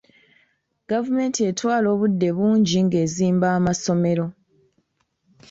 Gavumenti etwala obudde bungi nga ezimba amasomero.